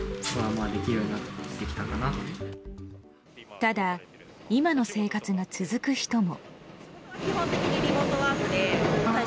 ただ、今の生活が続く人も。